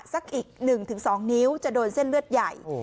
สักอีก๑๒นิ้วจะโดนเส้นเลือดใหญ่